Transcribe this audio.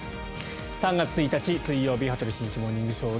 ３月１日、水曜日「羽鳥慎一モーニングショー」。